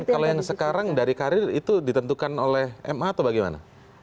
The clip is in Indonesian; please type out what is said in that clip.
kalau yang sekarang dari karir itu ditentukan oleh ma atau bagaimana